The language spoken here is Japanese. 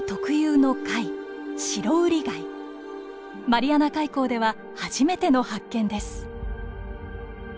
マリアナ海溝では初めての発見です。